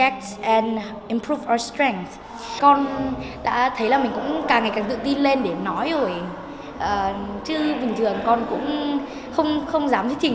em thung con đã thấy là mình cũng càng ngày càng tự tin lên để nói rồi chứ bình thường con cũng không dám thuyết trình